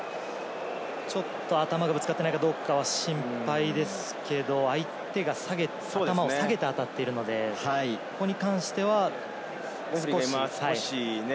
ちょっと頭がぶつかっていないかどうか心配ですけれど、相手が頭を下げて当たっているので、ここに関しては少し。